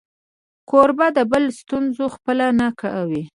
کوربه د بل ستونزه خپله نه کوي.